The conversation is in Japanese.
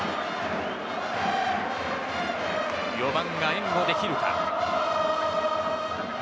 ４番が援護できるか。